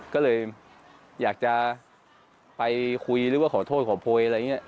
ก็เลยอยากจะไปคุยหรือว่าขอโทษขอโพยอะไรอย่างนี้